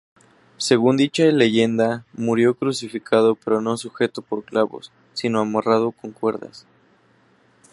Según dicha leyenda, murió crucificado pero no sujeto por clavos sino amarrado con cuerdas.